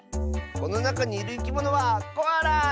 このなかにいるいきものはコアラ！